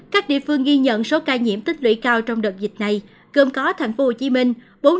các địa phương ghi nhận số ca nhiễm tích lũy cao trong đợt dịch này gồm có thành phố hồ chí minh bốn trăm chín mươi một sáu trăm một mươi